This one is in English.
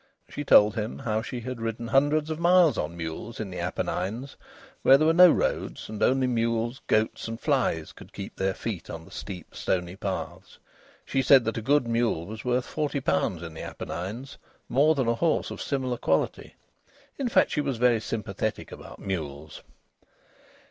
She told him how she had ridden hundreds of miles on mules in the Apennines, where there were no roads, and only mules, goats and flies could keep their feet on the steep, stony paths. She said that a good mule was worth forty pounds in the Apennines, more than a horse of similar quality. In fact, she was very sympathetic about mules.